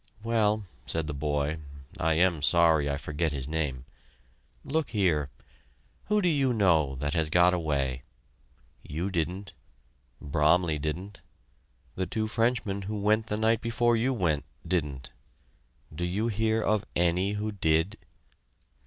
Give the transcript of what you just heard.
"Well," said the boy (I am sorry I forget his name), "look here. Who do you know that has got away? You didn't; Bromley didn't; the two Frenchmen who went the night before you went didn't. Do you hear of any who did?"